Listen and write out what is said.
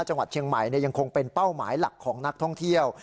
จังหวัดเชียงใหม่ยังคงเป็นเป้าหมายหลักของนักท่องเที่ยว